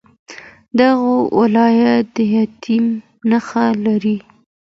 د غور ولایت د لیتیم نښې لري.